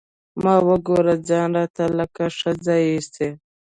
ما وګوره ځان راته لکه ښځه ايسي.